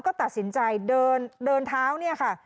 ก็ตัดสินใจเดินเท้า